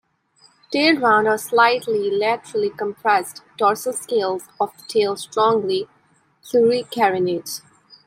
Tail round or slightly laterally compressed, dorsal scales of the tail strongly pluricarinate.